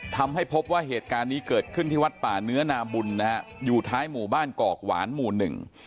ทำให้พบว่าเหตุการณ์นี้เกิดขึ้นที่วัดป่าเนื้อนาบุญนะฮะอยู่ท้ายหมู่บ้านกอกหวานหมู่หนึ่ง